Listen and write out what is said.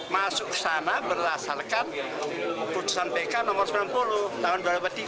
masuk ke sana berdasarkan putusan pk nomor sembilan puluh tahun dua ribu tiga